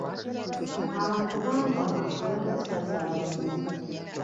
Abantu bantama olw'empisa zaabwe embi.